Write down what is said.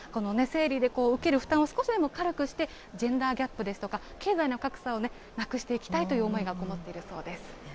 生理で受ける負担を少しでも軽くして、ジェンダーギャップですとか、経済の格差をなくしていきたいという思いがこもっているそうです。